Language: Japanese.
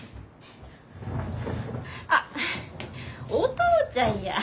あっお父ちゃんや。